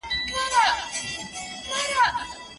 آیا غر تر غونډۍ لوړ دی؟